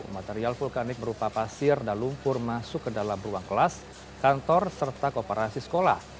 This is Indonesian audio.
material vulkanik berupa pasir dan lumpur masuk ke dalam ruang kelas kantor serta kooperasi sekolah